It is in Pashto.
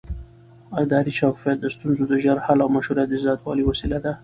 اداري شفافیت د ستونزو د ژر حل او مشروعیت د زیاتوالي وسیله ده